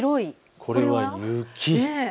これは雪。